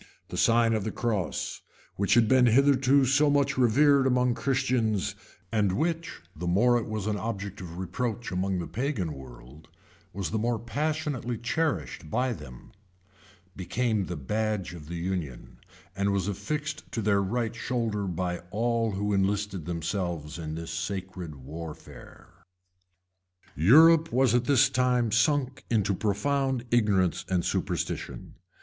The sign of the cross, which had been hitherto so much revered among Christians, and which, the more it was an object of reproach among the pagan world, was the more passionately cherished by them, became the badge of union, and was affixed to their right shoulder by all who enlisted themselves in this sacred warfare.[] Europe was at this time sunk into profound ignorance and superstition.